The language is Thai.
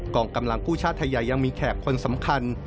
องกำลังกู้ชาติไทยใหญ่ยังมีแขกคนสำคัญ